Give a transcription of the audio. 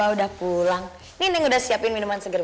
udah pulang ninding udah siapin minuman seger